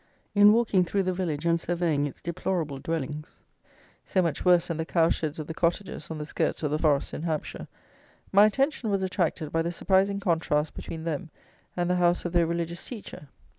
In walking through the village, and surveying its deplorable dwellings, so much worse than the cow sheds of the cottagers on the skirts of the forests in Hampshire, my attention was attracted by the surprising contrast between them and the house of their religious teacher.